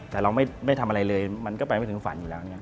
แต่เราไม่ทำอะไรเลยมันก็ไปไม่ถึงฝันอยู่แล้ว